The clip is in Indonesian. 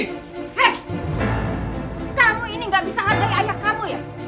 kamu ini gak bisa hadiah ayah kamu ya